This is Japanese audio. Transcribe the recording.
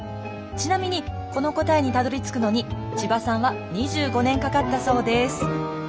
ちなみにこの答えにたどりつくのに千葉さんは２５年かかったそうです。